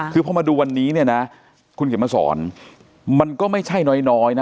คือพอมาดูวันนี้เนี่ยนะคุณเขียนมาสอนมันก็ไม่ใช่น้อยนะ